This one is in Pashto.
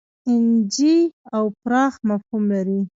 اېن جي او پراخ مفهوم لري.